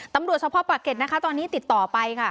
ตำรวจชาวพ่อปรักเก็ตตอนนี้ติดต่อไปค่ะ